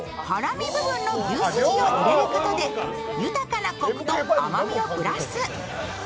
ハラミ部分の牛すじを入れることで豊かなこくと甘みをプラス。